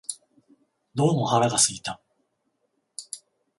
どうも腹が空いた